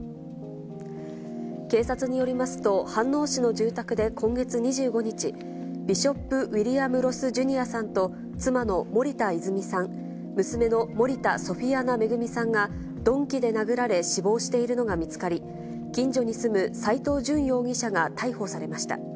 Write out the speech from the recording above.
警察によりますと、飯能市の住宅で今月２５日、ビショップ・ウィリアム・ロス・ジュニアさんと、妻の森田泉さん、娘の森田ソフィアナ恵さんが、鈍器で殴られ、死亡しているのが見つかり、近所に住む斎藤淳容疑者が逮捕されました。